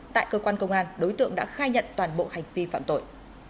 tại cơ quan công an đối tượng đã khai nhận toàn bộ hành vi phạm tội